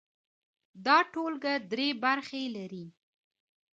دا ټولګه درې برخې لري.